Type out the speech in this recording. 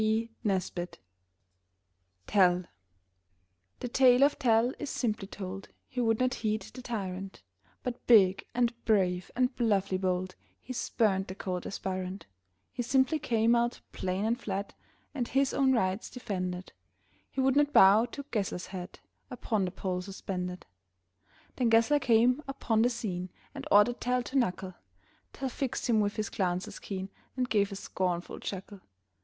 TELL The tale of Tell is simply told; He would not heed the tyrant, But, big and brave and bluffly bold He spurned the cold aspirant He simply came out plain and flat And his own rights defended; He would not bow to Gessler's hat Upon the pole suspended. Then Gessler came upon the scene And ordered Tell to knuckle; Tell fixed him with his glances keen And gave a scornful chuckle.